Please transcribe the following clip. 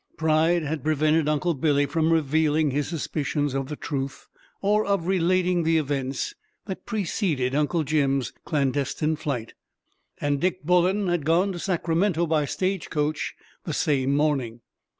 Pride had prevented Uncle Billy from revealing his suspicions of the truth, or of relating the events that preceded Uncle Jim's clandestine flight, and Dick Bullen had gone to Sacramento by stage coach the same morning.